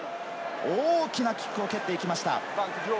大きなキックを蹴っていきました。